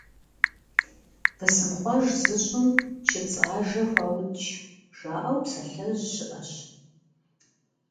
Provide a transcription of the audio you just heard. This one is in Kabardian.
«Бысымхъуэж зыщӀым чыцӀ ажэ хуаукӀ», - жаӀэу псалъэжь щыӀэщ.